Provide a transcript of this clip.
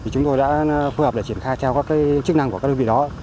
chúng tôi đã phối hợp để triển khai theo các chức năng của các đơn vị đó